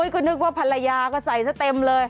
ก็นึกว่าภรรยาก็ใส่ซะเต็มเลย